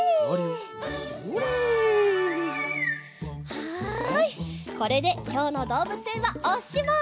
はいこれできょうのどうぶつえんはおしまい！